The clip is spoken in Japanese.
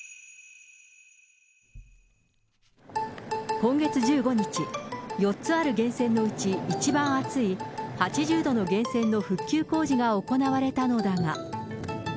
今月１５日、４つある源泉のうち一番熱い８０度の源泉の復旧工事が行われたのだが。